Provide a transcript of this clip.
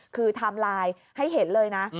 คือไทม์ไลน์ให้เห็นเลยนะ